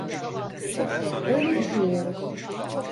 Öyle düşünüyoruz.